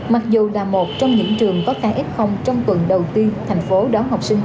mặc dù là một trong những trường có ks trong quần đầu tiên thành phố đón học sinh